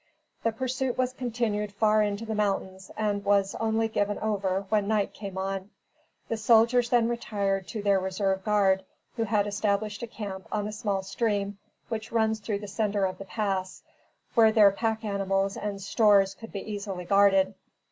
The pursuit was continued far into the mountains and was only given over when night came on. The soldiers then retired to their reserve guard, who had established a camp on a small stream which runs through the centre of the pass, where their pack animals and stores could be easily guarded.